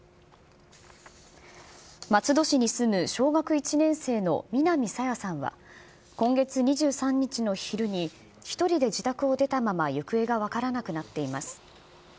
松戸市に住む小学１年生の南朝芽さんは、今月２３日の昼に、１人で自宅を出たまま行方が分からなくなっています。